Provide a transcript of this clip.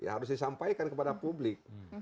harus disampaikan kepada publik